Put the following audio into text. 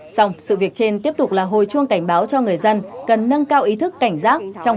xong sự việc trên tiếp tục là hồi chuông cảnh báo cho người dân cần nâng cao ý thức cảnh giác trong